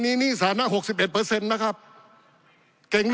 ปี๑เกณฑ์ทหารแสน๒